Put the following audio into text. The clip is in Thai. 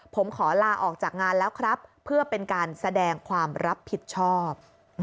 ผมขอลาออกจากงานแล้วครับเพื่อเป็นการแสดงความรับผิดชอบ